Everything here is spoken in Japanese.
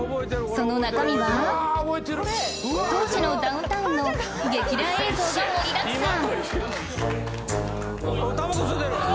その中身は当時のダウンタウンの激レア映像が盛りだくさん